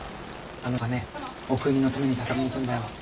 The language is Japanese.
あの人がねお国のために戦いに行くんだよ。